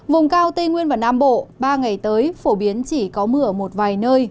vùng cao tây nguyên và nam bộ ba ngày tới phổ biến chỉ có mưa ở một vài nơi